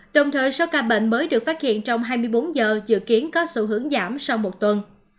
đồng thời số ca bệnh mới được phát hiện trong hai mươi bốn giờ dự kiến có xu hướng giảm sau một tuần